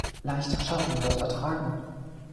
Leichter Schatten wird ertragen.